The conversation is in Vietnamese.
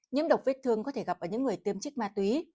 nhiễm độc vết thương có thể gặp ở những người tiêm trích ma túy